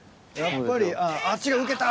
やっぱり。